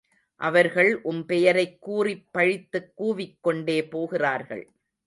அவர்கள் உம்பெயரைக் கூறிப்பழித்துக் கூவிக்கொண்டே போகிறார்கள்.